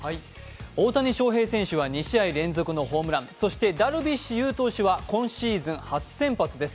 大谷翔平選手は２試合連続ホームランそしてダルビッシュ有投手は今シーズン初先発です。